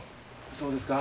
そうですか。